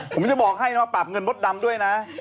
ผมจะบอกให้นะว่าปรับเงินมดดำด้วยนะ